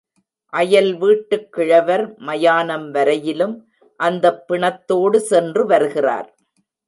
அயல் வீட்டுக் கிழவர் மயானம் வரையிலும் அந்தப் பிணத்தோடு சென்று வருகிறார்.